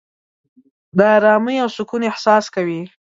د آرامۍ او سکون احساس کوې.